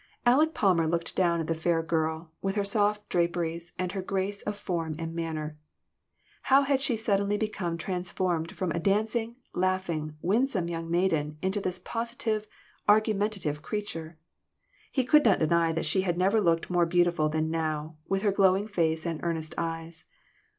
Aleck Palmer looked down at the fair girl, with her soft draperies and her grace of form and manner. How had she suddenly become trans formed from a dancing, laughing, winsome, young maiden into this positive, argumentative creature. He could not deny that she had never looked more beautiful than now, with her glowing face and earnest eyes.